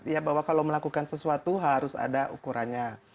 ya bahwa kalau melakukan sesuatu harus ada ukurannya